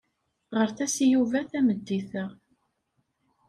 Ɣret-as i Yuba tameddit-a.